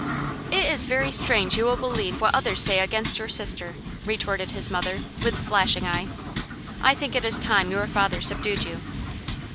"It is very strange you will believe what others say against your sister," retorted his mother, with flashing eye. "I think it is time your father subdued you."